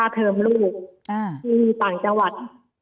พัฒน์เทิมลูกที่ต่างจังหวัด